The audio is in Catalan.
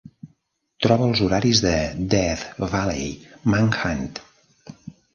Troba els horaris de 'Death Valley Manhunt'.